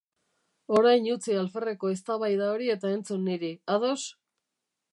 Orain utzi alferreko eztabaida hori eta entzun niri, ados?